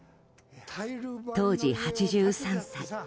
当時８３歳。